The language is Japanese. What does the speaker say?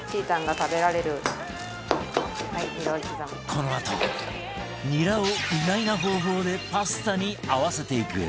このあとニラを意外な方法でパスタに合わせていく